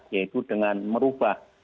yaitu dengan merubah